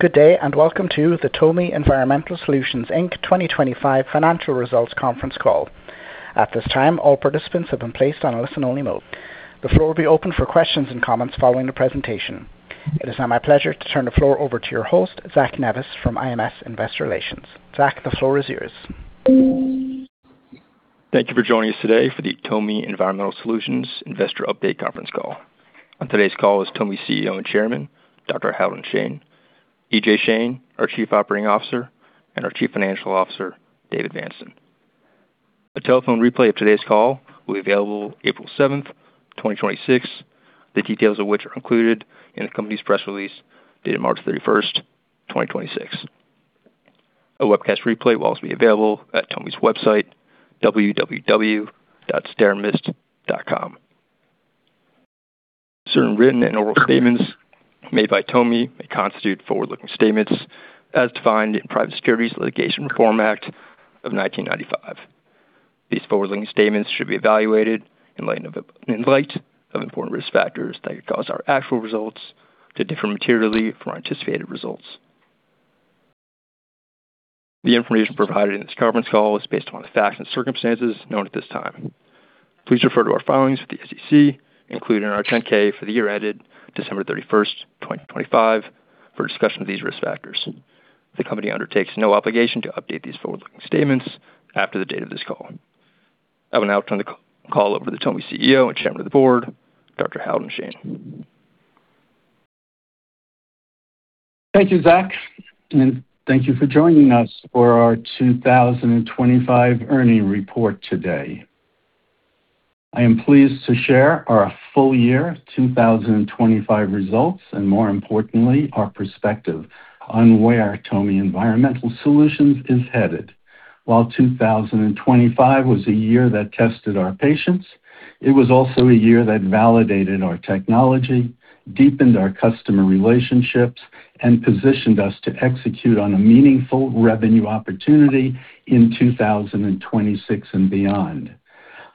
Good day, and welcome to the TOMI Environmental Solutions, Inc. 2025 financial results conference call. At this time, all participants have been placed on a listen-only mode. The floor will be open for questions and comments following the presentation. It is now my pleasure to turn the floor over to your host, Zach Nevas from IMS Investor Relations. Zach, the floor is yours. Thank you for joining us today for the TOMI Environmental Solutions Investor Update conference call. On today's call is TOMI CEO and Chairman, Dr. Halden Shane, EJ Shane, our Chief Operating Officer, and our Chief Financial Officer, David Vanston. A telephone replay of today's call will be available April 7th, 2026. The details of which are included in the company's press release dated March 31st, 2026. A webcast replay will also be available at TOMI's website, www.steramist.com. Certain written and oral statements made by TOMI may constitute forward-looking statements as defined in Private Securities Litigation Reform Act of 1995. These forward-looking statements should be evaluated in light of important risk factors that could cause our actual results to differ materially from our anticipated results. The information provided in this conference call is based on the facts and circumstances known at this time. Please refer to our filings with the SEC, including our 10-K for the year ended December 31st, 2025 for a discussion of these risk factors. The company undertakes no obligation to update these forward-looking statements after the date of this call. I will now turn the call over to TOMI CEO and Chairman of the Board, Dr. Halden Shane. Thank you, Zach, and thank you for joining us for our 2025 earnings report today. I am pleased to share our full year 2025 results, and more importantly, our perspective on where TOMI Environmental Solutions is headed. While 2025 was a year that tested our patience, it was also a year that validated our technology, deepened our customer relationships, and positioned us to execute on a meaningful revenue opportunity in 2026 and beyond.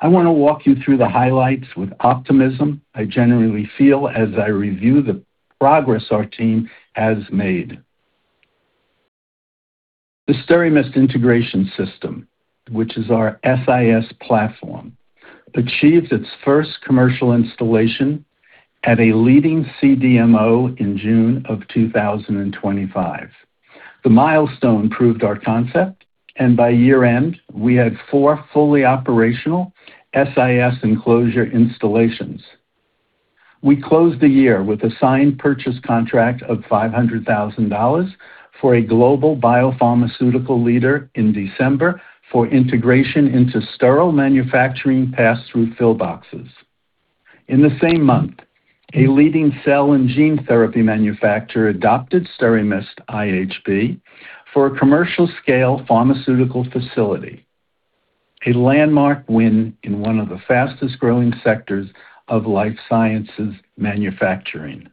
I wanna walk you through the highlights with optimism. I generally feel as I review the progress our team has made. The SteraMist Integrated System, which is our SIS platform, achieved its first commercial installation at a leading CDMO in June 2025. The milestone proved our concept, and by year-end, we had four fully operational SIS enclosure installations. We closed the year with a signed purchase contract of $500,000 for a global biopharmaceutical leader in December for integration into sterile manufacturing pass-through fill boxes. In the same month, a leading cell and gene therapy manufacturer adopted SteraMist iHP for a commercial scale pharmaceutical facility, a landmark win in one of the fastest growing sectors of life sciences manufacturing.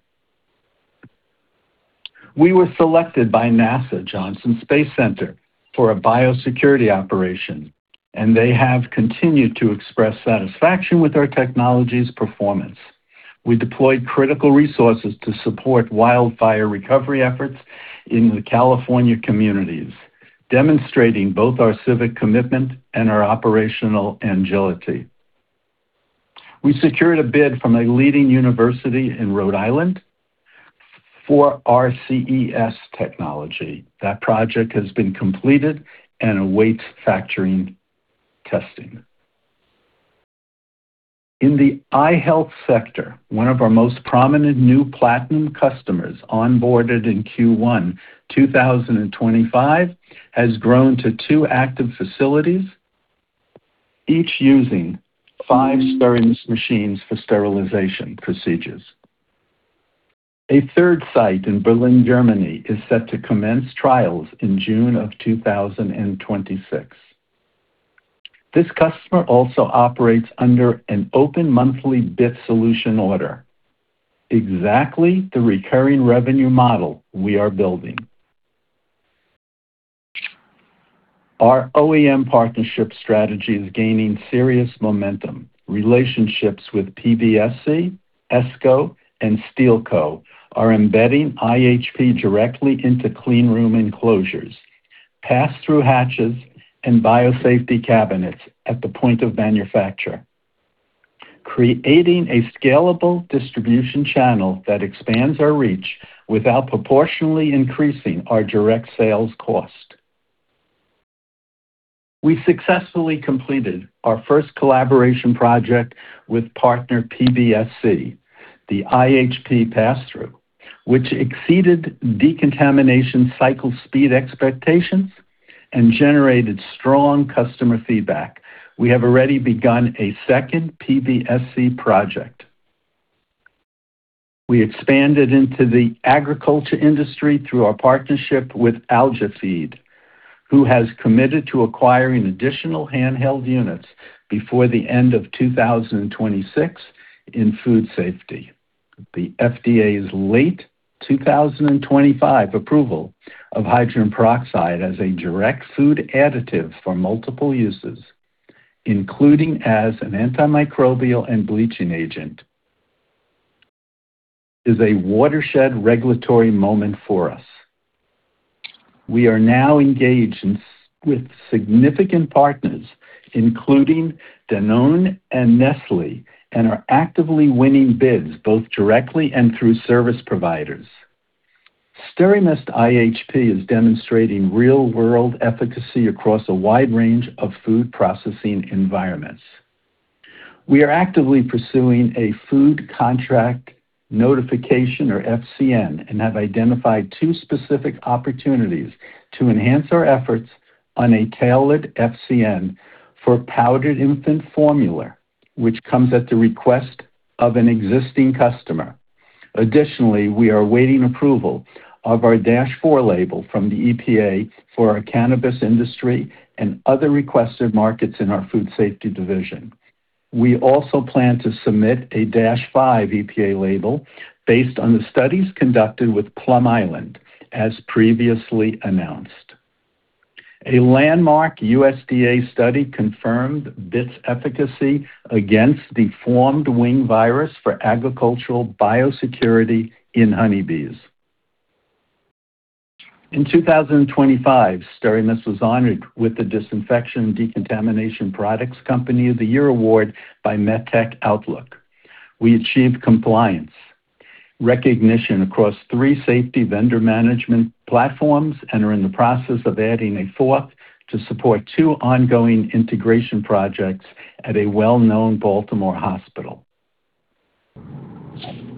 We were selected by NASA Johnson Space Center for a biosecurity operation, and they have continued to express satisfaction with our technology's performance. We deployed critical resources to support wildfire recovery efforts in the California communities, demonstrating both our civic commitment and our operational agility. We secured a bid from a leading university in Rhode Island for our CES technology. That project has been completed and awaits factory testing. In the eye health sector, one of our most prominent new platinum customers onboarded in Q1 2025 has grown to 2 active facilities, each using 5 SteraMist machines for sterilization procedures. A third site in Berlin, Germany is set to commence trials in June 2026. This customer also operates under an open monthly bid solution order, exactly the recurring revenue model we are building. Our OEM partnership strategy is gaining serious momentum. Relationships with PBSC, ESCO, and Steelco are embedding IHP directly into cleanroom enclosures, pass-through hatches, and biosafety cabinets at the point of manufacture, creating a scalable distribution channel that expands our reach without proportionally increasing our direct sales cost. We successfully completed our first collaboration project with partner PBSC, the IHP pass-through, which exceeded decontamination cycle speed expectations and generated strong customer feedback. We have already begun a second PBSC project. We expanded into the agriculture industry through our partnership with AlgaFeed, who has committed to acquiring additional handheld units before the end of 2026 in food safety. The FDA's late 2025 approval of hydrogen peroxide as a direct food additive for multiple uses, including as an antimicrobial and bleaching agent, is a watershed regulatory moment for us. We are now engaged with significant partners, including Danone and Nestlé, and are actively winning bids both directly and through service providers. SteraMist iHP is demonstrating real-world efficacy across a wide range of food processing environments. We are actively pursuing a food contact notification, or FCN, and have identified two specific opportunities to enhance our efforts on a tailored FCN for powdered infant formula, which comes at the request of an existing customer. Additionally, we are awaiting approval of our Dash four label from the EPA for our cannabis industry and other requested markets in our food safety division. We also plan to submit a Dash five EPA label based on the studies conducted with Plum Island, as previously announced. A landmark USDA study confirmed BIT's efficacy against Deformed Wing Virus for agricultural biosecurity in honeybees. In 2025, SteraMist was honored with the Disinfection Decontamination Products Company of the Year Award by MedTech Outlook. We achieved compliance recognition across three safety vendor management platforms and are in the process of adding a fourth to support two ongoing integration projects at a well-known Baltimore hospital.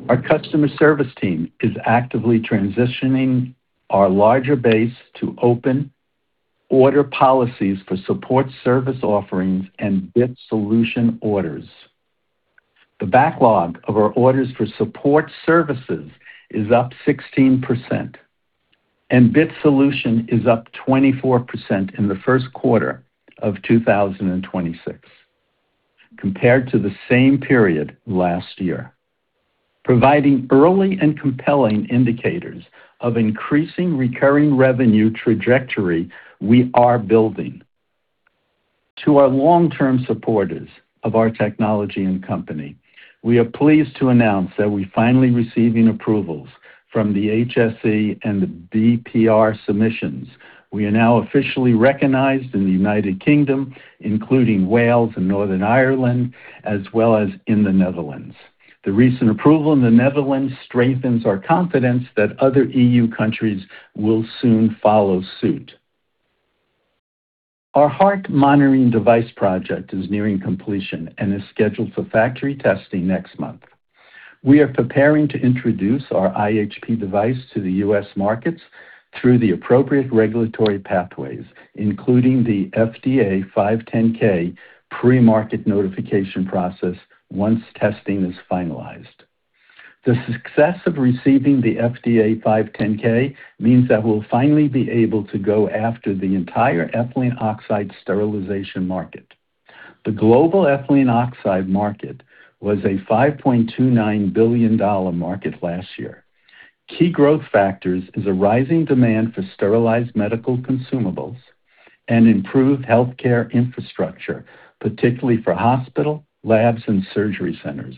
Our customer service team is actively transitioning our larger base to open order policies for support service offerings and BIT Solution orders. The backlog of our orders for support services is up 16%, and BIT Solution is up 24% in the first quarter of 2026 compared to the same period last year, providing early and compelling indicators of increasing recurring revenue trajectory we are building. To our long-term supporters of our technology and company, we are pleased to announce that we're finally receiving approvals from the HSE and the BPR submissions. We are now officially recognized in the United Kingdom, including Wales and Northern Ireland, as well as in the Netherlands. The recent approval in the Netherlands strengthens our confidence that other EU countries will soon follow suit. Our heart monitoring device project is nearing completion and is scheduled for factory testing next month. We are preparing to introduce our IHP device to the U.S. markets through the appropriate regulatory pathways, including the FDA 510(k) pre-market notification process, once testing is finalized. The success of receiving the FDA 510(k) means that we'll finally be able to go after the entire ethylene oxide sterilization market. The global ethylene oxide market was a $5.29 billion market last year. Key growth factors is a rising demand for sterilized medical consumables and improved healthcare infrastructure, particularly for hospital, labs, and surgery centers.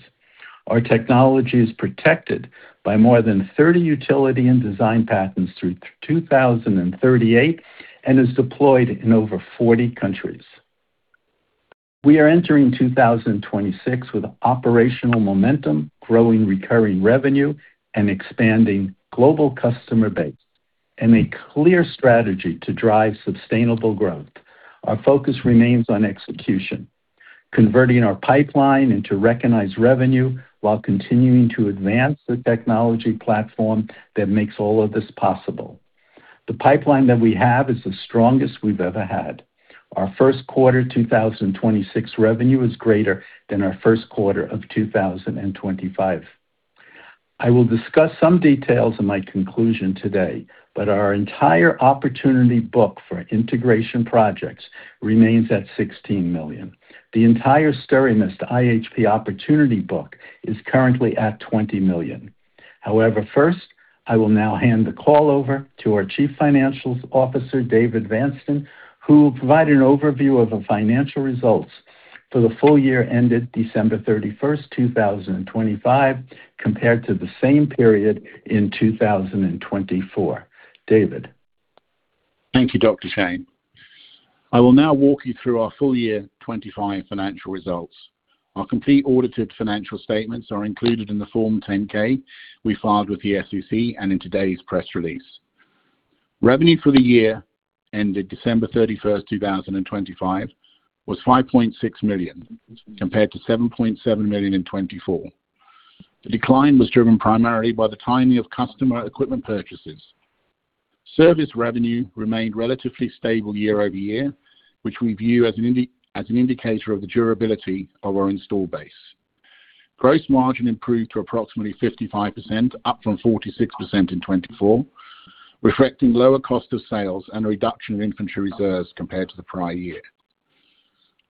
Our technology is protected by more than 30 utility and design patents through 2038 and is deployed in over 40 countries. We are entering 2026 with operational momentum, growing recurring revenue, and expanding global customer base, and a clear strategy to drive sustainable growth. Our focus remains on execution, converting our pipeline into recognized revenue while continuing to advance the technology platform that makes all of this possible. The pipeline that we have is the strongest we've ever had. Our first quarter 2026 revenue is greater than our first quarter of 2025. I will discuss some details in my conclusion today, but our entire opportunity book for integration projects remains at $16 million. The entire SteraMist iHP opportunity book is currently at $20 million. However, first, I will now hand the call over to our Chief Financial Officer, David Vanston, who will provide an overview of the financial results for the full year ended December 31, 2025, compared to the same period in 2024. David. Thank you, Dr. Shane. I will now walk you through our full year 2025 financial results. Our complete audited financial statements are included in the Form 10-K we filed with the SEC and in today's press release. Revenue for the year ended December 31, 2025, was $5.6 million, compared to $7.7 million in 2024. The decline was driven primarily by the timing of customer equipment purchases. Service revenue remained relatively stable year-over-year, which we view as an indicator of the durability of our installed base. Gross margin improved to approximately 55%, up from 46% in 2024, reflecting lower cost of sales and a reduction in inventory reserves compared to the prior year.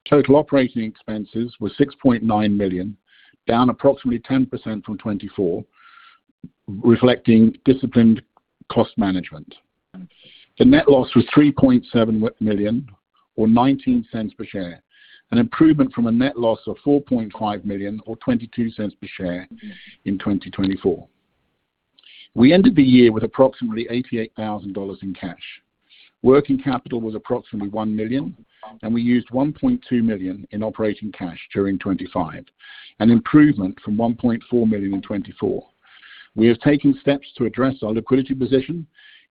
Total operating expenses were $6.9 million, down approximately 10% from 2024, reflecting disciplined cost management. The net loss was $3.7 million or $0.19 per share, an improvement from a net loss of $4.5 million or $0.22 per share in 2024. We ended the year with approximately $88,000 in cash. Working capital was approximately $1 million, and we used $1.2 million in operating cash during 2025, an improvement from $1.4 million in 2024. We have taken steps to address our liquidity position,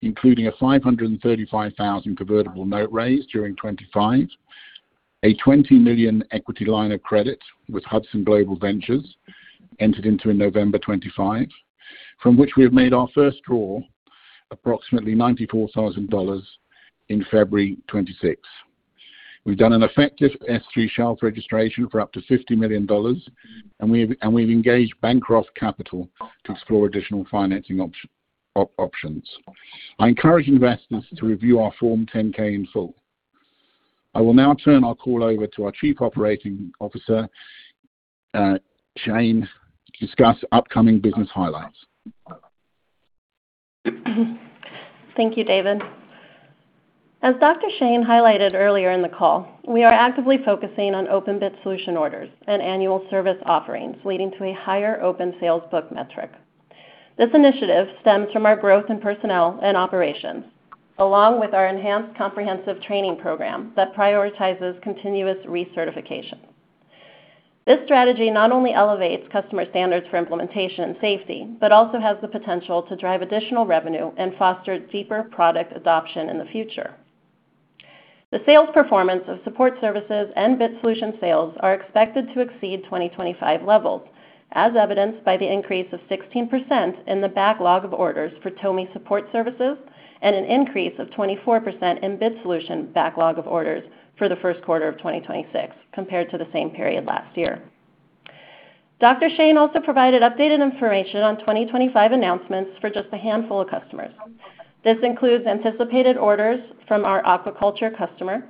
including a $535,000 convertible note raise during 2025, a $20 million equity line of credit with Hudson Global Ventures entered into in November 2025, from which we have made our first draw, approximately $94,000 in February 2026. We've done an effective S-3 shelf registration for up to $50 million, and we've engaged Bancroft Capital to explore additional financing options. I encourage investors to review our Form 10-K in full. I will now turn our call over to our Chief Operating Officer, Shane, to discuss upcoming business highlights. Thank you, David. As Dr. Shane highlighted earlier in the call, we are actively focusing on open bid solution orders and annual service offerings, leading to a higher open sales book metric. This initiative stems from our growth in personnel and operations, along with our enhanced comprehensive training program that prioritizes continuous recertification. This strategy not only elevates customer standards for implementation and safety but also has the potential to drive additional revenue and foster deeper product adoption in the future. The sales performance of support services and bid solution sales are expected to exceed 2025 levels, as evidenced by the increase of 16% in the backlog of orders for TOMI support services and an increase of 24% in bid solution backlog of orders for the first quarter of 2026 compared to the same period last year. Dr. Shane also provided updated information on 2025 announcements for just a handful of customers. This includes anticipated orders from our aquaculture customer,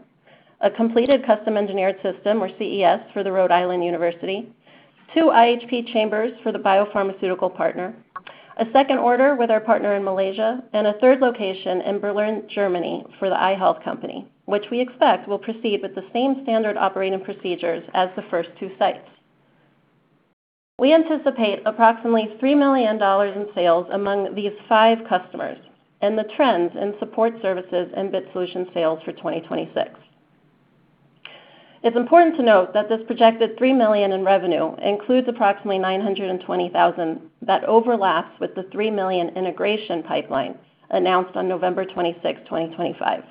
a completed Custom Engineered System, or CES, for the University of Rhode Island, two IHP chambers for the biopharmaceutical partner, a second order with our partner in Malaysia, and a third location in Berlin, Germany for the eye health company, which we expect will proceed with the same standard operating procedures as the first two sites. We anticipate approximately $3 million in sales among these five customers and the trends in support services and BIT Solution sales for 2026. It's important to note that this projected $3 million in revenue includes approximately $920,000 that overlaps with the $3 million integration pipeline announced on November 26, 2025.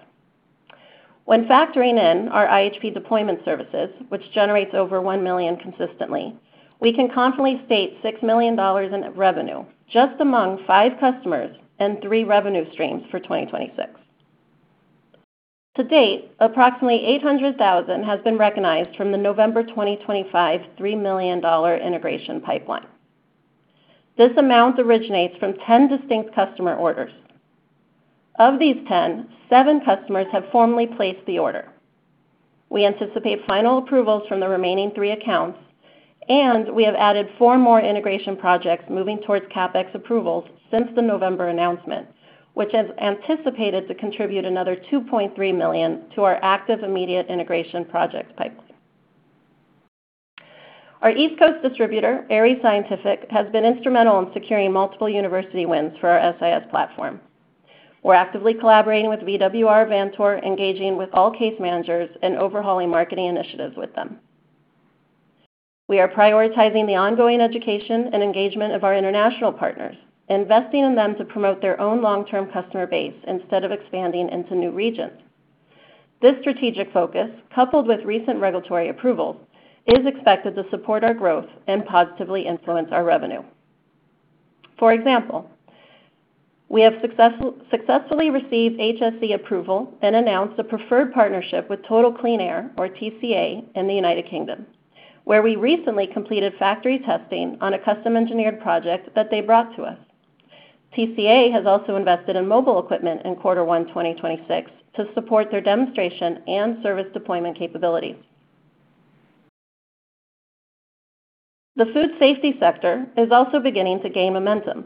When factoring in our IHP deployment services, which generates over $1 million consistently, we can confidently state $6 million in revenue just among five customers and three revenue streams for 2026. To date, approximately $800,000 has been recognized from the November 2025 $3 million integration pipeline. This amount originates from 10 distinct customer orders. Of these 10, seven customers have formally placed the order. We anticipate final approvals from the remaining three accounts, and we have added four more integration projects moving towards CapEx approvals since the November announcement, which is anticipated to contribute another $2.3 million to our active immediate integration project pipeline. Our East Coast distributor, ARES Scientific, has been instrumental in securing multiple university wins for our SIS platform. We're actively collaborating with VWR Vantage, engaging with all case managers, and overhauling marketing initiatives with them. We are prioritizing the ongoing education and engagement of our international partners, investing in them to promote their own long-term customer base instead of expanding into new regions. This strategic focus, coupled with recent regulatory approvals, is expected to support our growth and positively influence our revenue. For example, we have successfully received HSE approval and announced a preferred partnership with Total Clean Air, or TCA, in the U.K., where we recently completed factory testing on a custom engineered project that they brought to us. TCA has also invested in mobile equipment in quarter one, 2026 to support their demonstration and service deployment capabilities. The food safety sector is also beginning to gain momentum,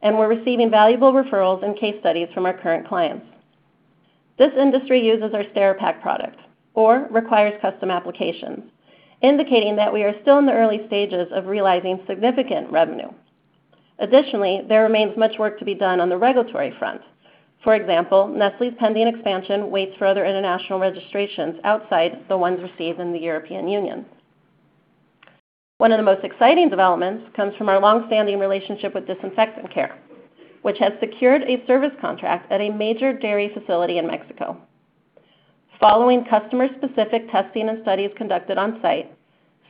and we're receiving valuable referrals and case studies from our current clients. This industry uses our SteraPak product or requires custom applications, indicating that we are still in the early stages of realizing significant revenue. Additionally, there remains much work to be done on the regulatory front. For example, Nestlé's pending expansion waits for other international registrations outside the ones received in the European Union. One of the most exciting developments comes from our long-standing relationship with DisinfectCARE, which has secured a service contract at a major dairy facility in Mexico. Following customer-specific testing and studies conducted on-site,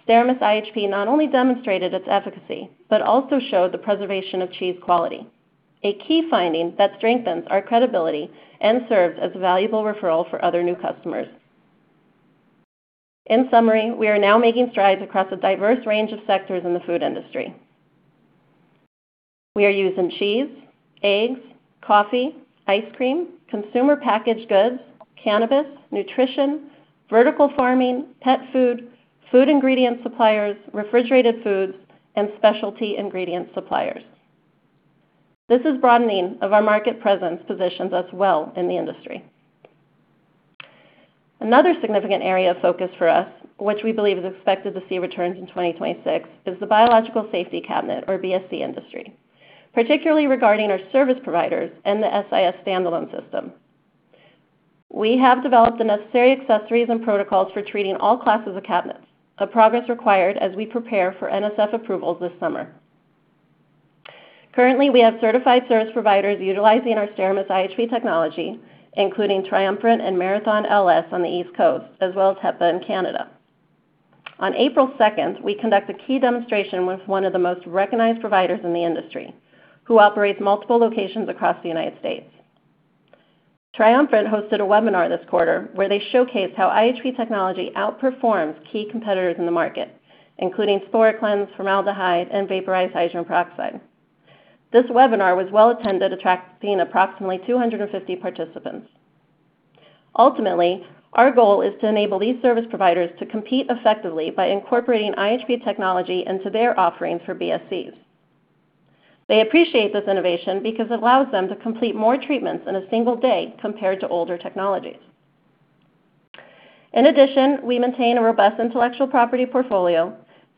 SteraMist iHP not only demonstrated its efficacy but also showed the preservation of cheese quality, a key finding that strengthens our credibility and serves as a valuable referral for other new customers. In summary, we are now making strides across a diverse range of sectors in the food industry. We are using cheese, eggs, coffee, ice cream, consumer packaged goods, cannabis, nutrition, vertical farming, pet food ingredient suppliers, refrigerated foods, and specialty ingredient suppliers. This broadening of our market presence positions us well in the industry. Another significant area of focus for us, which we believe is expected to see returns in 2026, is the biological safety cabinet or BSC industry, particularly regarding our service providers and the SIS standalone system. We have developed the necessary accessories and protocols for treating all classes of cabinets. Progress required as we prepare for NSF approvals this summer. Currently, we have certified service providers utilizing our SteraMist iHP technology, including Triumvirate and MarathonLS on the East Coast, as well as H.E.P.A. in Canada. On April 2, we conduct a key demonstration with one of the most recognized providers in the industry who operates multiple locations across the United States. Triumvirate hosted a webinar this quarter where they showcased how IHP technology outperforms key competitors in the market, including Spor-Klenz, Formaldehyde, and Vaporized Hydrogen Peroxide. This webinar was well-attended, attracting approximately 250 participants. Ultimately, our goal is to enable these service providers to compete effectively by incorporating IHP technology into their offerings for BSCs. They appreciate this innovation because it allows them to complete more treatments in a single day compared to older technologies. In addition, we maintain a robust intellectual property portfolio,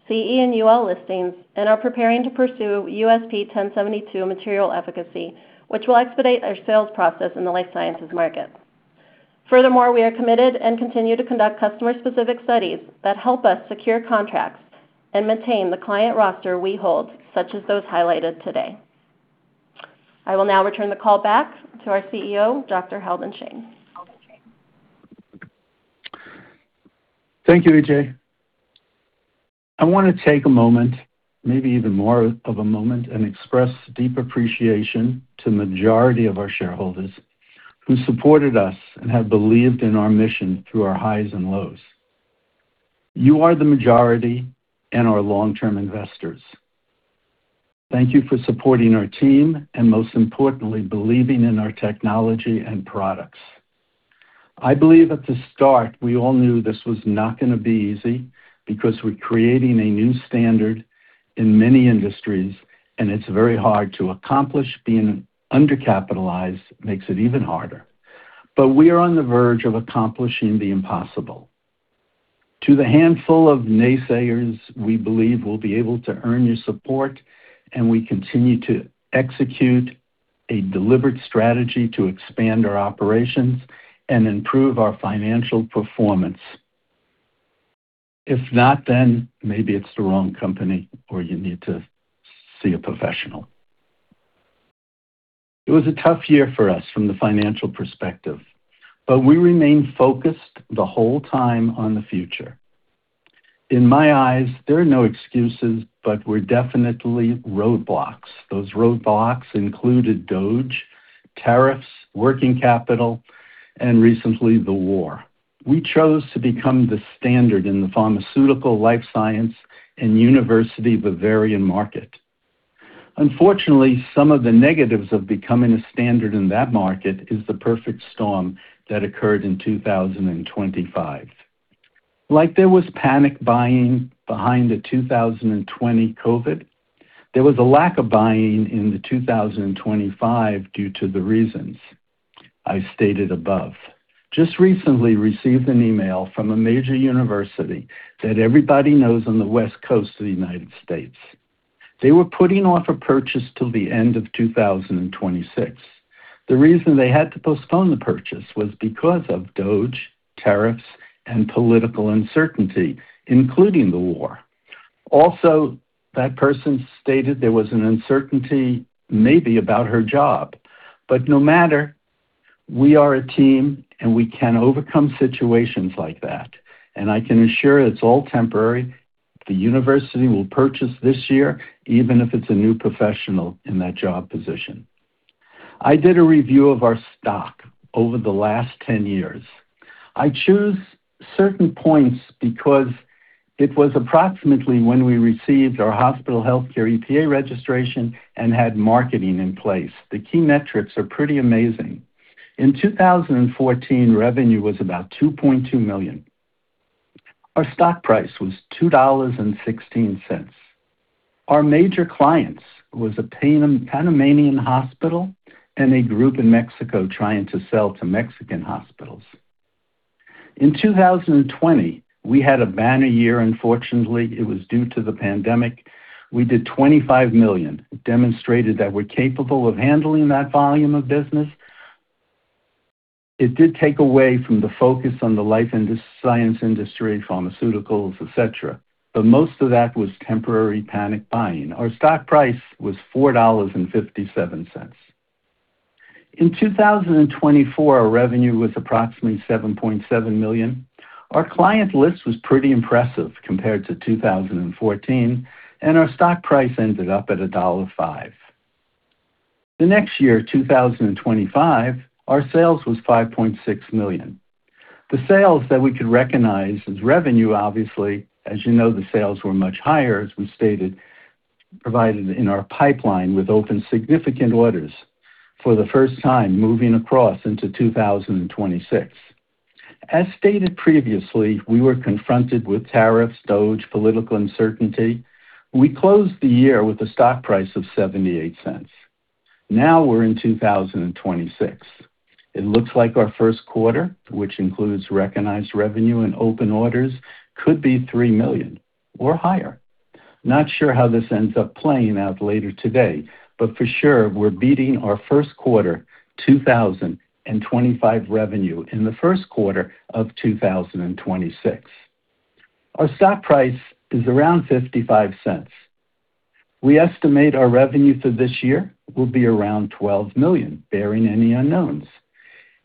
CE and UL listings, and are preparing to pursue USP 1072 material efficacy, which will expedite our sales process in the life sciences market. Furthermore, we are committed and continue to conduct customer-specific studies that help us secure contracts and maintain the client roster we hold, such as those highlighted today. I will now return the call back to our CEO, Dr. Halden Shane. Thank you, EJ. I wanna take a moment, maybe even more of a moment, and express deep appreciation to majority of our shareholders who supported us and have believed in our mission through our highs and lows. You are the majority and our long-term investors. Thank you for supporting our team and most importantly, believing in our technology and products. I believe at the start, we all knew this was not gonna be easy because we're creating a new standard in many industries, and it's very hard to accomplish. Being undercapitalized makes it even harder. We are on the verge of accomplishing the impossible. To the handful of naysayers, we believe we'll be able to earn your support, and we continue to execute a deliberate strategy to expand our operations and improve our financial performance. If not, then maybe it's the wrong company or you need to see a professional. It was a tough year for us from the financial perspective, but we remained focused the whole time on the future. In my eyes, there are no excuses, but there were definitely roadblocks. Those roadblocks included DOGE, tariffs, working capital, and recently, the war. We chose to become the standard in the pharmaceutical, life sciences, and university vivarium market. Unfortunately, some of the negatives of becoming a standard in that market is the perfect storm that occurred in 2025. Like there was panic buying during the 2020 COVID, there was a lack of buying in the 2025 due to the reasons I stated above. We just recently received an email from a major university that everybody knows on the West Coast of the United States. They were putting off a purchase till the end of 2026. The reason they had to postpone the purchase was because of DOGE, tariffs, and political uncertainty, including the war. Also, that person stated there was an uncertainty maybe about her job. No matter, we are a team, and we can overcome situations like that, and I can assure it's all temporary. The university will purchase this year, even if it's a new professional in that job position. I did a review of our stock over the last 10 years. I choose certain points because it was approximately when we received our hospital healthcare EPA registration and had marketing in place. The key metrics are pretty amazing. In 2014, revenue was about $2.2 million. Our stock price was $2.16. Our major clients was a Panamanian hospital and a group in Mexico trying to sell to Mexican hospitals. In 2020, we had a banner year. Unfortunately, it was due to the pandemic. We did $25 million. It demonstrated that we're capable of handling that volume of business. It did take away from the focus on the science industry, pharmaceuticals, etc. Most of that was temporary panic buying. Our stock price was $4.57. In 2024, our revenue was approximately $7.7 million. Our client list was pretty impressive compared to 2014, and our stock price ended up at $1.05. The next year, 2025, our sales was $5.6 million. The sales that we could recognize as revenue, obviously, as you know, the sales were much higher, as we stated provided in our pipeline with open significant orders for the first time moving across into 2026. As stated previously, we were confronted with tariffs, DOGE, political uncertainty. We closed the year with a stock price of $0.78. Now we're in 2026. It looks like our first quarter, which includes recognized revenue and open orders, could be $3 million or higher. Not sure how this ends up playing out later today, but for sure, we're beating our first quarter 2025 revenue in the first quarter of 2026. Our stock price is around $0.55. We estimate our revenue for this year will be around $12 million, barring any unknowns.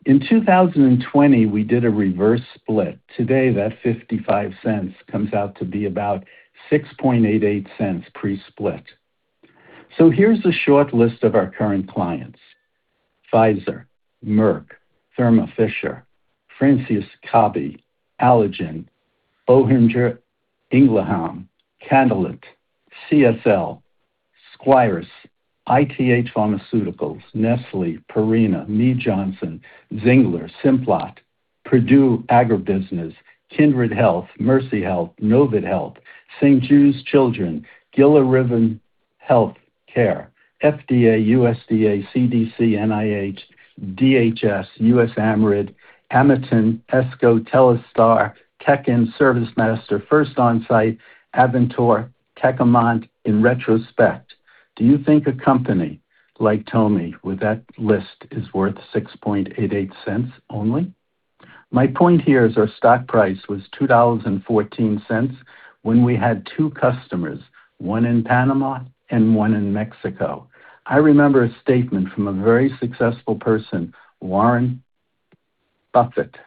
In 2020, we did a reverse split. Today, that $0.55 comes out to be about $0.0688 pre-split. Here's a short list of our current clients. Pfizer, Merck, Thermo Fisher, Franciscan Health, Allergan, Boehringer Ingelheim, Catalent, CSL Seqirus, ITH Pharma, Nestlé, Purina, Mead Johnson, Ziegler, Simplot, Purdue AgriBusiness, Kindred Healthcare, Mercy Health, Novant Health, St. Jude Children's, Gilleriven Health Care, FDA, USDA, CDC, NIH, DHS, USAMRIID, Amerton, ESCO, Telstar, Tecniplast, ServiceMaster, First Onsite, Avantor, Tecumseh. In retrospect, do you think a company like TOMI with that list is worth $0.0688 only? My point here is our stock price was $20.14 when we had 2 customers, 1 in Panama and 1 in Mexico. I remember a statement from a very successful person, Warren Buffett.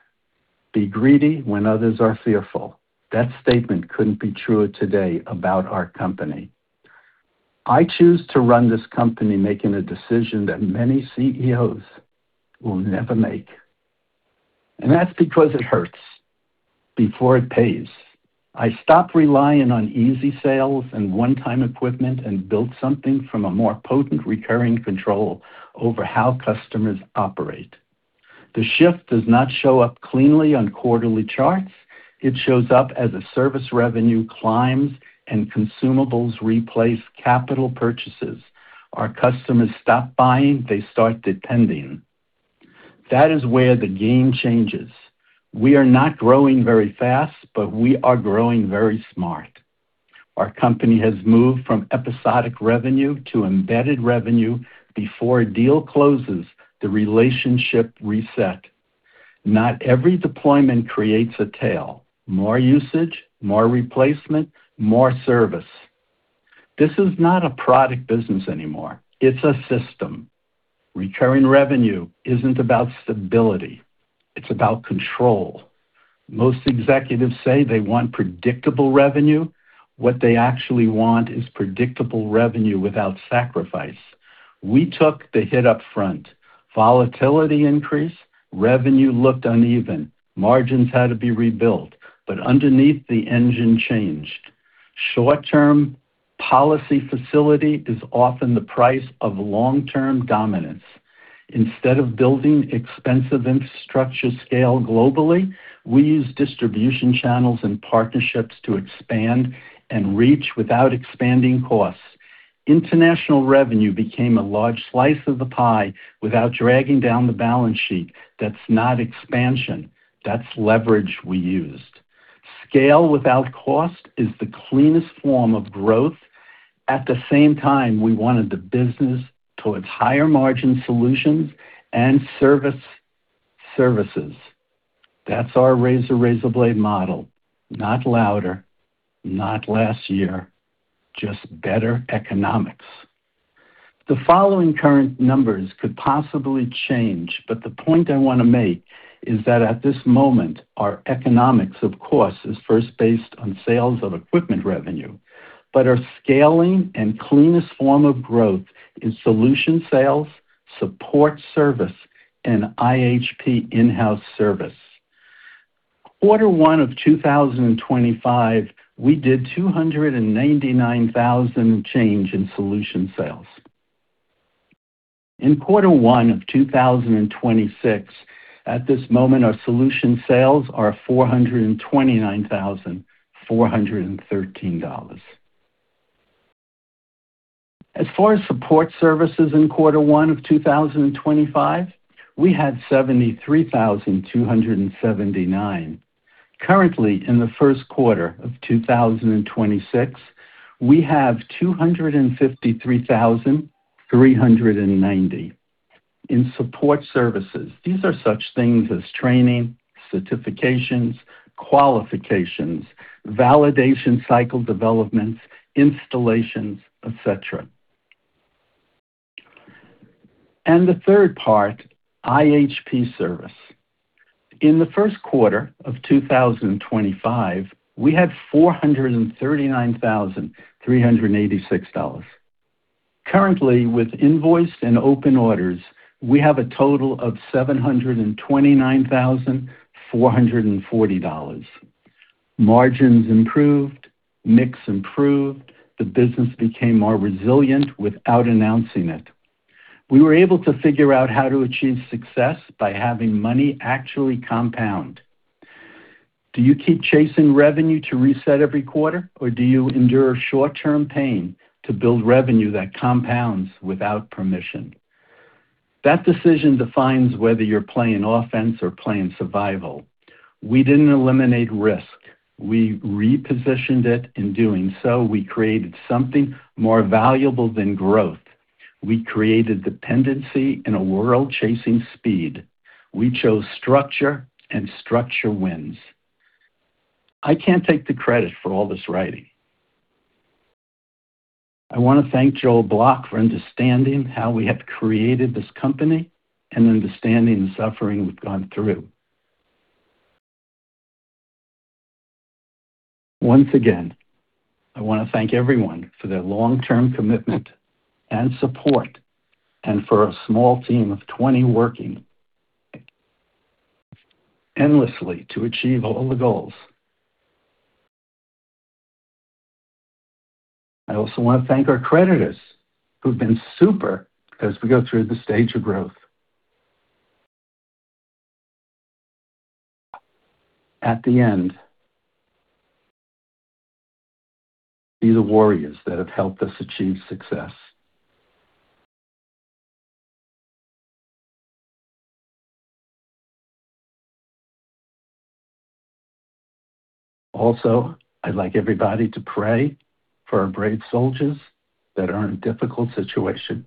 "Be greedy when others are fearful." That statement couldn't be truer today about our company. I choose to run this company making a decision that many CEOs will never make, and that's because it hurts before it pays. I stopped relying on easy sales and one-time equipment and built something from a more potent recurring control over how customers operate. The shift does not show up cleanly on quarterly charts. It shows up as a service revenue climbs and consumables replace capital purchases. Our customers stop buying, they start depending. That is where the game changes. We are not growing very fast, but we are growing very smart. Our company has moved from episodic revenue to embedded revenue. Before a deal closes, the relationship reset. Not every deployment creates a tail. More usage, more replacement, more service. This is not a product business anymore. It's a system. Recurring revenue isn't about stability. It's about control. Most executives say they want predictable revenue. What they actually want is predictable revenue without sacrifice. We took the hit up front. Volatility increased, revenue looked uneven, margins had to be rebuilt, but underneath the engine changed. Short-term profitability is often the price of long-term dominance. Instead of building expensive infrastructure to scale globally, we use distribution channels and partnerships to expand and reach without expanding costs. International revenue became a large slice of the pie without dragging down the balance sheet. That's not expansion. That's leverage we used. Scale without cost is the cleanest form of growth. At the same time, we wanted the business towards higher margin solutions and services. That's our razor blade model. Not lower, not last year, just better economics. The following current numbers could possibly change, but the point I want to make is that at this moment, our economics, of course, is first based on sales of equipment revenue. Our scaling and cleanest form of growth is solution sales, support service, and IHP in-house service. Quarter 1 of 2025, we did $299,000 and change in solution sales. In quarter 1 of 2026, at this moment, our solution sales are $429,413. As far as support services in quarter 1 of 2025, we had $73,279. Currently, in the first quarter of 2026, we have $253,390 in support services. These are such things as training, certifications, qualifications, validation, cycle developments, installations, etc. The third part, IHP service. In the first quarter of 2025, we had $439,386. Currently, with invoiced and open orders, we have a total of $729,440. Margins improved, mix improved. The business became more resilient without announcing it. We were able to figure out how to achieve success by having money actually compound. Do you keep chasing revenue to reset every quarter, or do you endure short-term pain to build revenue that compounds without permission? That decision defines whether you're playing offense or playing survival. We didn't eliminate risk. We repositioned it. In doing so, we created something more valuable than growth. We created dependency. In a world chasing speed, we chose structure, and structure wins. I can't take the credit for all this writing. I want to thank Joel Block for understanding how we have created this company and understanding the suffering we've gone through. Once again, I want to thank everyone for their long-term commitment and support and for a small team of 20 working endlessly to achieve all the goals. I also want to thank our creditors, who've been super as we go through the stage of growth. At the end, be the warriors that have helped us achieve success. Also, I'd like everybody to pray for our brave soldiers that are in a difficult situation.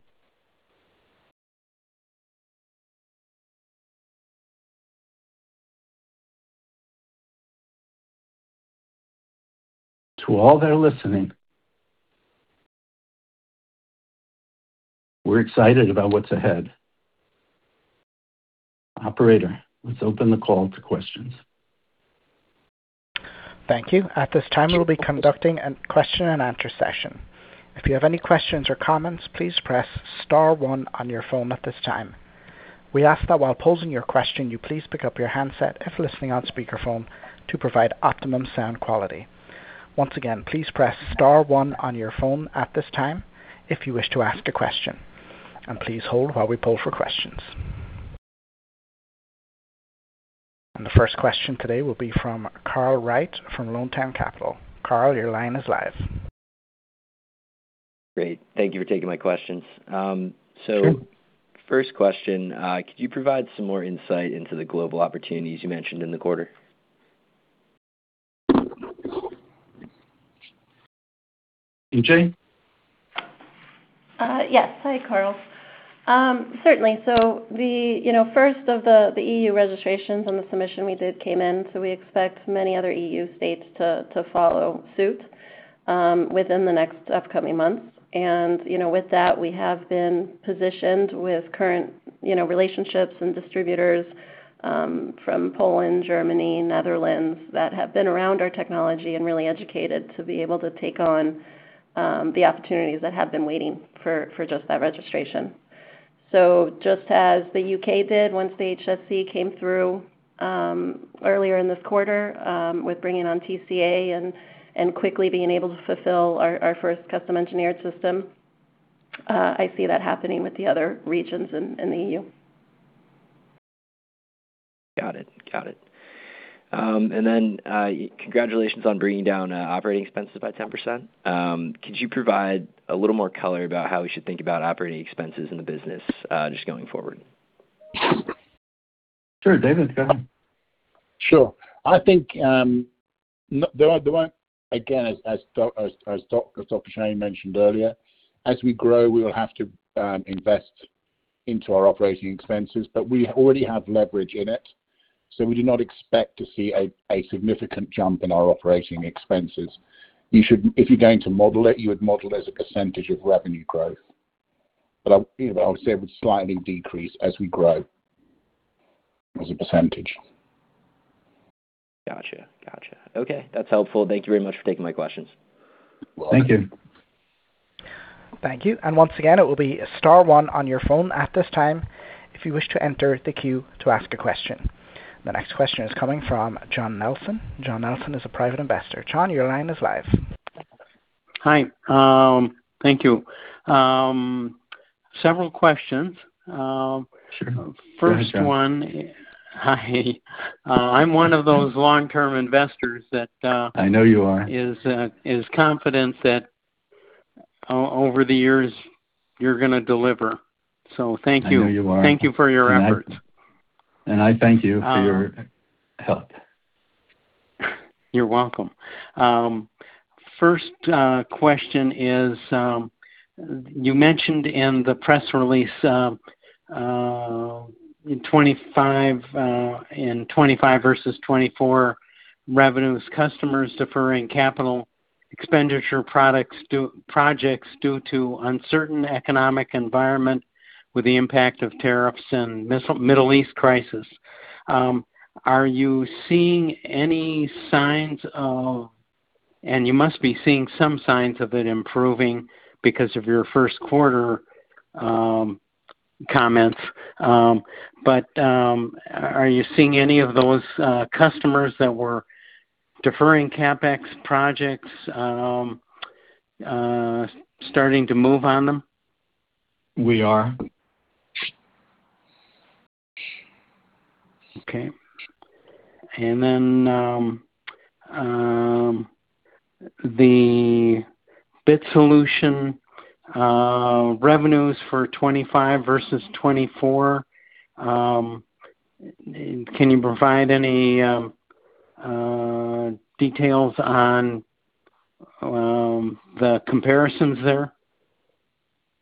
To all that are listening, we're excited about what's ahead. Operator, let's open the call to questions. Thank you. At this time, we'll be conducting a question and answer session. If you have any questions or comments, please press star one on your phone at this time. We ask that while posing your question, you please pick up your handset if listening on speakerphone to provide optimum sound quality. Once again, please press star one on your phone at this time if you wish to ask a question, and please hold while we poll for questions. The first question today will be from Carl Wright from Lone Pine Capital. Carl, your line is live. Great. Thank you for taking my questions. Sure. First question, could you provide some more insight into the global opportunities you mentioned in the quarter? EJ? Yes. Hi, Carl. Certainly. The first of the EU registrations on the submission we did came in, so we expect many other EU states to follow suit within the next upcoming months. You know, with that we have been positioned with current relationships and distributors from Poland, Germany, Netherlands, that have been around our technology and really educated to be able to take on the opportunities that have been waiting for just that registration. Just as the UK did once the HSE came through earlier in this quarter with bringing on TCA and quickly being able to fulfill our first custom engineered system, I see that happening with the other regions in the EU. Got it. Congratulations on bringing down operating expenses by 10%. Could you provide a little more color about how we should think about operating expenses in the business just going forward? Sure. David, go ahead. Sure. I think there are again, as Dr. Shane mentioned earlier, as we grow we will have to invest into our operating expenses, but we already have leverage in it, so we do not expect to see a significant jump in our operating expenses. If you're going to model it, you would model it as a percentage of revenue growth. You know, I would say it would slightly decrease as we grow as a percentage. Gotcha. Okay. That's helpful. Thank you very much for taking my questions. Welcome. Thank you. Thank you. Once again, it will be star one on your phone at this time if you wish to enter the queue to ask a question. The next question is coming from John Nelson. John Nelson is a private investor. John, your line is live. Hi. Thank you. Several questions. Sure. First one. Go ahead, John. I'm one of those long-term investors that I know you are. is confident that over the years you're gonna deliver. Thank you. I know you are. Thank you for your efforts. I thank you for your help. You're welcome. First question is, you mentioned in the press release, in 2025 versus 2024 revenues, customers deferring capital expenditure projects due to uncertain economic environment with the impact of tariffs and Middle East crisis. Are you seeing any signs of it improving? You must be seeing some signs of it improving because of your first quarter comments. But are you seeing any of those customers that were deferring CapEx projects starting to move on them? We are. Okay. The BIT Solution revenues for 2025 versus 2024. Can you provide any details on the comparisons there?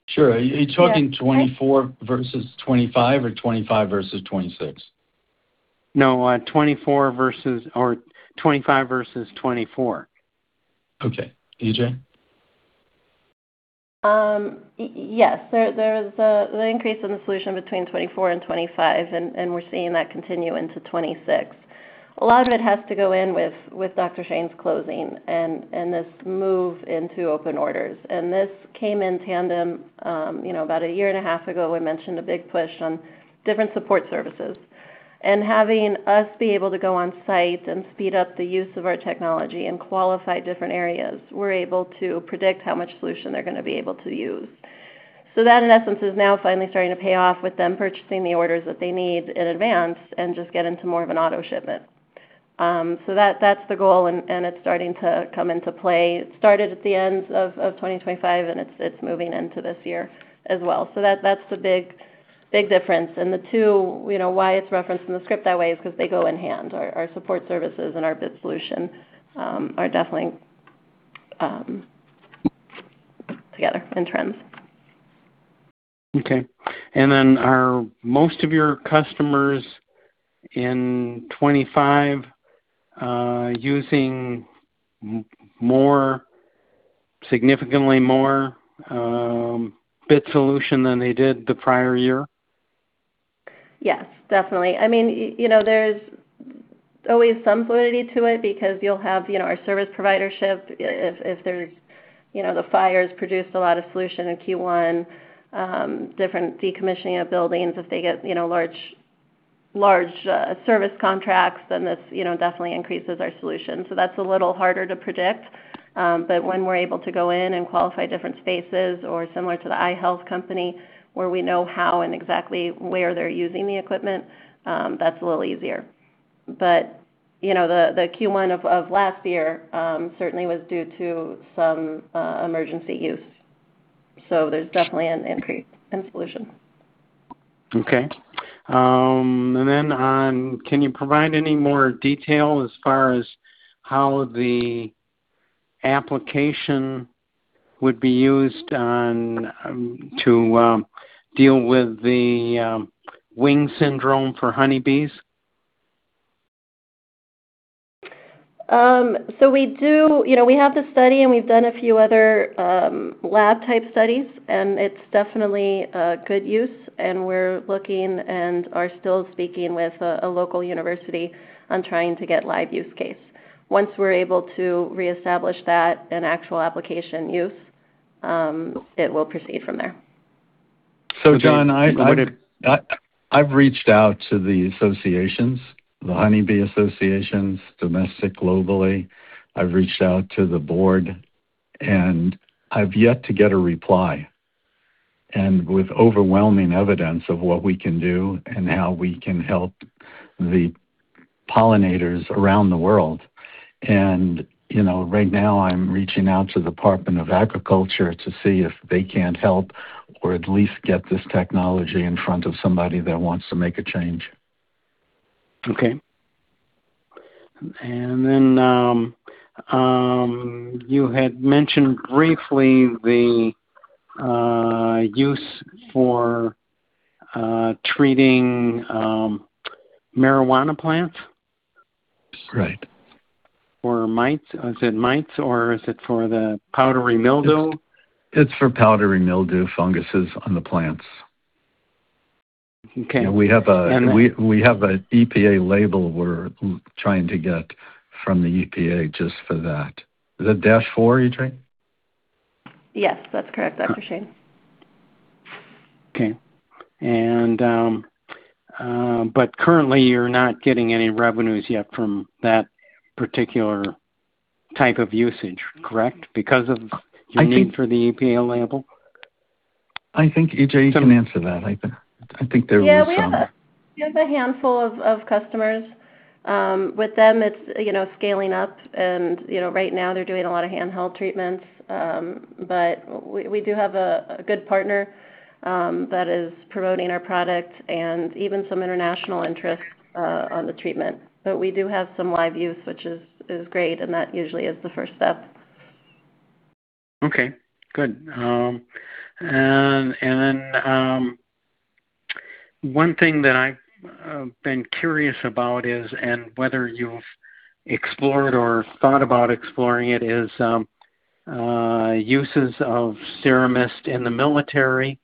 Sure. Are you talking 2024 versus 2025 or 2025 versus 2026? No, 2024 versus or 2025 versus 2024. Okay. EJ? Yes. There is the increase in the solution between 2024 and 2025, and we're seeing that continue into 2026. A lot of it has to go with Dr. Shane's closing and this move into open orders. This came in tandem, you know, about a year and a half ago, we mentioned a big push on different support services. Having us be able to go on site and speed up the use of our technology and qualify different areas, we're able to predict how much solution they're gonna be able to use. That, in essence, is now finally starting to pay off with them purchasing the orders that they need in advance and just get into more of an auto shipment. That's the goal, and it's starting to come into play. It started at the end of 2025, and it's moving into this year as well. That's the big difference. The two, you know, why it's referenced in the script that way is 'cause they go hand in hand. Our support services and our BIT Solution are definitely together in trends. Okay. Are most of your customers in 2025 using significantly more BIT Solution than they did the prior year? Yes, definitely. I mean, you know, there's always some fluidity to it because you'll have, you know, our service providers if there's, you know, the fires produced a lot of solution in Q1, different decommissioning of buildings. If they get, you know, large service contracts, then this, you know, definitely increases our solution. That's a little harder to predict. When we're able to go in and qualify different spaces or similar to the eye health company where we know how and exactly where they're using the equipment, that's a little easier. You know, the Q1 of last year certainly was due to some emergency use. There's definitely an increase in solution. Okay, can you provide any more detail as far as how the application would be used to deal with the Deformed Wing Virus for honeybees? You know, we have the study, and we've done a few other lab-type studies, and it's definitely a good use, and we're looking and are still speaking with a local university on trying to get live use case. Once we're able to reestablish that in actual application use, it will proceed from there. John, I've reached out to the associations, the honeybee associations, domestic, globally. I've reached out to the board, and I've yet to get a reply. You know, right now I'm reaching out to the Department of Agriculture to see if they can't help or at least get this technology in front of somebody that wants to make a change. Okay. You had mentioned briefly the use for treating marijuana plants? Right. Mites. Is it mites, or is it for the powdery mildew? It's for powdery mildew, funguses on the plants. Okay. We have an EPA label we're trying to get from the EPA just for that. Is it dash four, EJ? Yes, that's correct, Dr. Shane. Okay. Currently you're not getting any revenues yet from that particular type of usage, correct? Because of your need for the EPA label. I think EJ can answer that. I think they're strong. Yeah. We have a handful of customers. With them, it's you know scaling up and you know right now they're doing a lot of handheld treatments. We do have a good partner that is promoting our product and even some international interest on the treatment. We do have some live use, which is great, and that usually is the first step. Okay, good. One thing that I've been curious about is whether you've explored or thought about exploring it, uses of SteraMist in the military.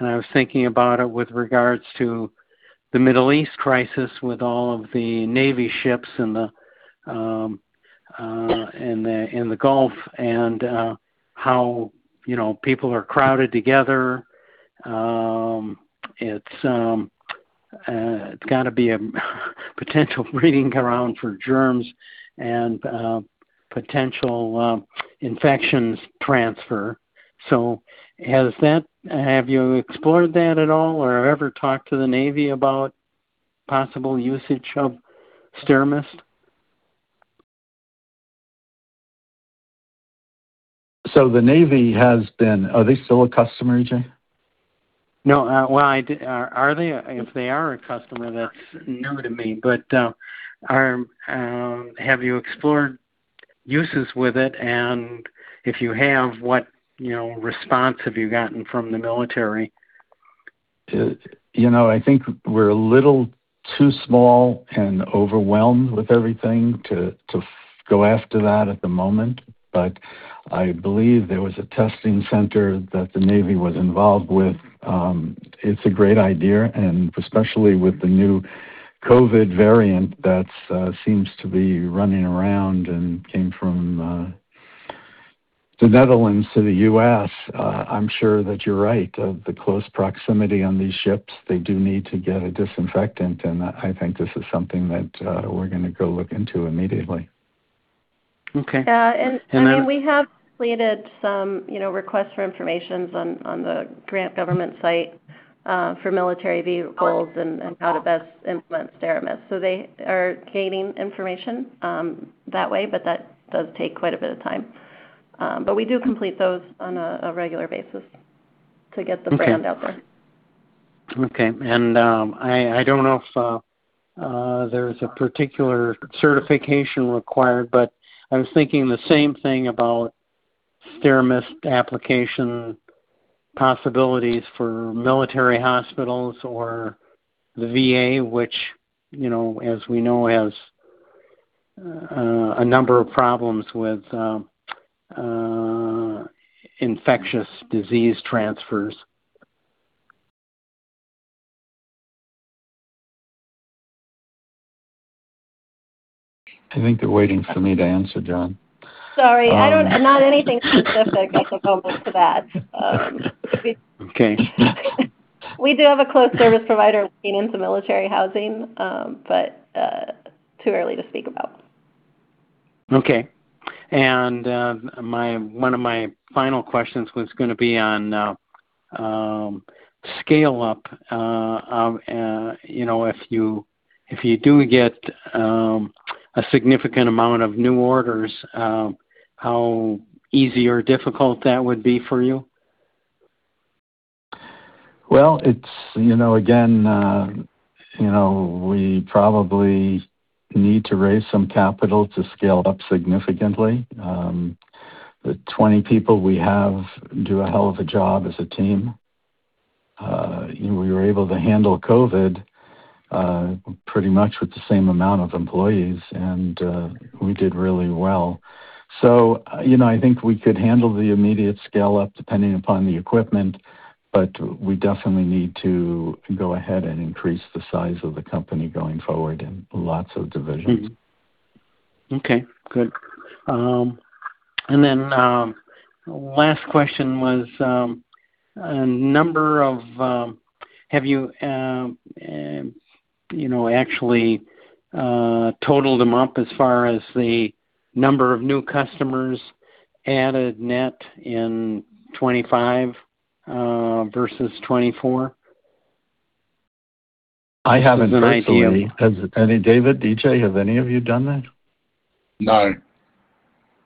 I was thinking about it with regards to the Middle East crisis with all of the Navy ships in the Gulf and how, you know, people are crowded together. It's gotta be a potential breeding ground for germs and potential infections transfer. Have you explored that at all or ever talked to the Navy about possible usage of SteraMist? Are they still a customer, EJ? No. Are they? If they are a customer, that's new to me. Have you explored uses with it? If you have, what, you know, response have you gotten from the military? You know, I think we're a little too small and overwhelmed with everything to go after that at the moment. I believe there was a testing center that the Navy was involved with. It's a great idea, and especially with the new COVID variant that seems to be running around and came from the Netherlands to the U.S. I'm sure that you're right about the close proximity on these ships. They do need to get a disinfectant, and I think this is something that we're gonna go look into immediately. Okay. Yeah. I mean, we have completed some, you know, requests for information on the Grants.gov site for military vehicles and how to best implement SteraMist. They are gaining information that way, but that does take quite a bit of time. We do complete those on a regular basis to get the brand out there. Okay. I don't know if there's a particular certification required, but I was thinking the same thing about SteraMist application possibilities for military hospitals or the VA, which, you know, as we know, has a number of problems with infectious disease transfers. I think they're waiting for me to answer, John. Sorry. Not anything specific I can comment to that. Okay. We do have a close service provider looking into military housing, but too early to speak about. Okay. One of my final questions was gonna be on scale up. You know, if you do get a significant amount of new orders, how easy or difficult that would be for you. Well, it's, you know, again, you know, we probably need to raise some capital to scale up significantly. The 20 people we have do a hell of a job as a team. We were able to handle COVID pretty much with the same amount of employees, and we did really well. You know, I think we could handle the immediate scale-up depending upon the equipment, but we definitely need to go ahead and increase the size of the company going forward in lots of divisions. Okay, good. Last question was, have you you know actually totaled them up as far as the number of new customers added net in 2025 versus 2024? I haven't personally. David, EJ, have any of you done that? No.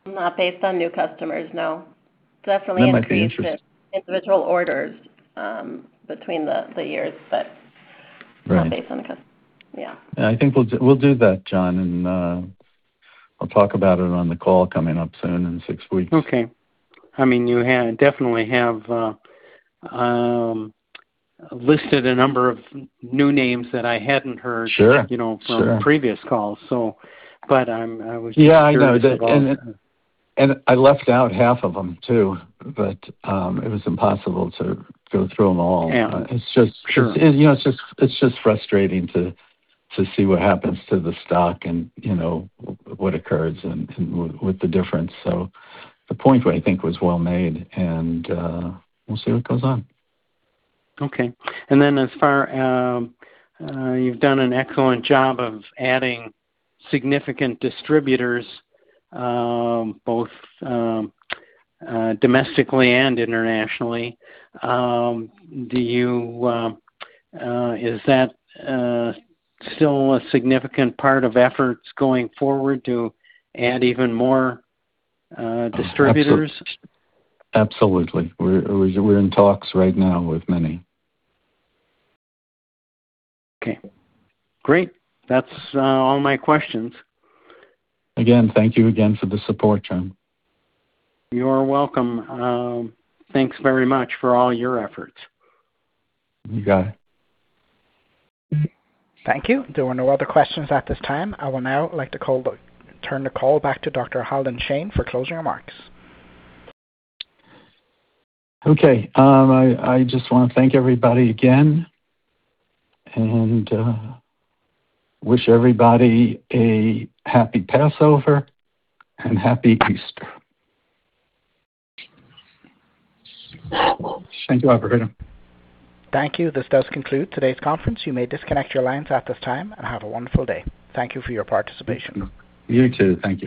Not based on new customers, no. Definitely. That might be interesting. Increased individual orders between the years, but Right. Not based on the custom. Yeah. I think we'll do that, John, and I'll talk about it on the call coming up soon in six weeks. Okay. I mean, you definitely have listed a number of new names that I hadn't heard. Sure, sure. You know, from previous calls. I'm Yeah, I know. Curious about- I left out half of them, too, but it was impossible to go through them all. Yeah, sure. It's just, you know, it's just frustrating to see what happens to the stock and, you know, what occurs and with the difference. The point, I think was well made and we'll see what goes on. Okay. As for you've done an excellent job of adding significant distributors both domestically and internationally. Is that still a significant part of efforts going forward to add even more distributors? Absolutely. We're in talks right now with many. Okay. Great. That's all my questions. Again, thank you again for the support, John. You are welcome. Thanks very much for all your efforts. You got it. Thank you. There are no other questions at this time. I would now like to turn the call back to Dr. Halden Shane for closing remarks. Okay. I just wanna thank everybody again and wish everybody a happy Passover and Happy Easter. Thank you, everybody. Thank you. This does conclude today's conference. You may disconnect your lines at this time, and have a wonderful day. Thank you for your participation. You too. Thank you.